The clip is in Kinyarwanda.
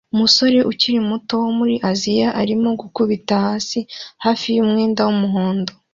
Umusore ukiri muto wo muri Aziya arimo gukubita hasi hafi yumwenda wumuhondo